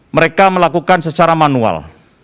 mereka melakukan secara manual